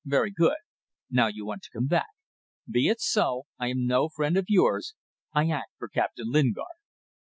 Very good. Now you want to come back. Be it so. I am no friend of yours. I act for Captain Lingard."